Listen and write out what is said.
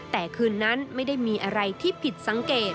แต่คืนนั้นไม่ได้มีอะไรที่ผิดสังเกต